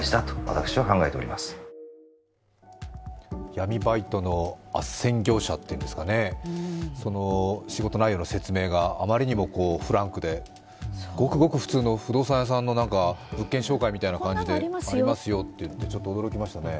闇バイトのあっせん業者というんですかね、その仕事内容の説明があまりにもフランクでごくごく普通の不動産屋さんの物件紹介のようにありますよって言ってちょっと驚きましたね。